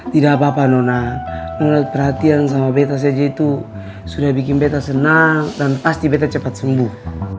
tidak apa apa nona menurut perhatian sama beta saja itu sudah bikin beta senang dan pasti beta cepat sembuh